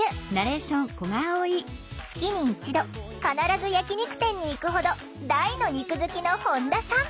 月に一度必ず焼き肉店に行くほど大の肉好きの本田さん！